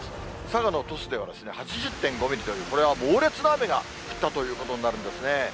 佐賀の鳥栖では、８０．５ミリという、これは猛烈な雨が降ったということになるんですね。